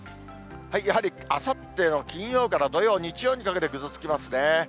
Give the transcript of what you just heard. やはりあさっての金曜から土曜、日曜にかけてぐずつきますね。